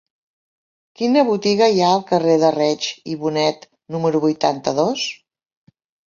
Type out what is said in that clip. Quina botiga hi ha al carrer de Reig i Bonet número vuitanta-dos?